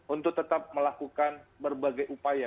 untuk tetap melakukan berbagai upaya